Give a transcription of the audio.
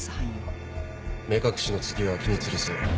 目隠しの次は木につるす。